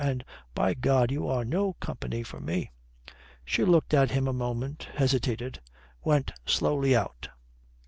And, by God, you are no company for me." She looked at him a moment, hesitated, went slowly out.